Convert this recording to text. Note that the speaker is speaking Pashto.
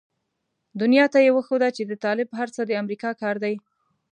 دنيا ته يې وښوده چې د طالب هر څه د امريکا کار دی.